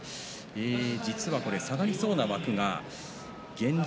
実は下がりそうな枠が現状